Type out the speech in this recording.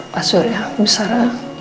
masur ya bu sarah